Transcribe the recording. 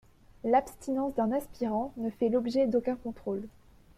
L'abstinence d'un aspirant ne fait l'objet d'aucun contrôle.